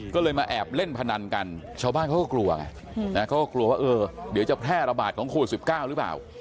ก็เลยมาแอบเล่นพนันกันชาวบ้านเขาก็กลัวไงเขาก็กลัวว่าเออเดี๋ยวจะแพร่ระบาดของโควิด๑๙หรือเปล่า